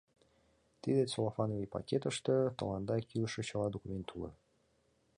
— Тиде целофановый пакетыште тыланда кӱлшӧ чыла документ уло.